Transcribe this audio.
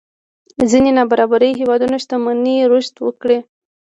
ځينې نابرابرۍ هېوادونو شتمنۍ رشد وکړي.